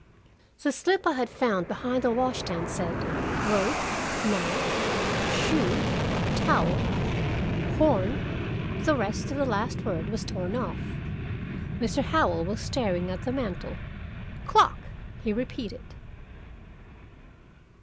The slip I had found behind the wash stand said "Rope, knife, shoe, towel. Horn " The rest of the last word was torn off. Mr. Howell was staring at the mantel. "Clock!" he repeated.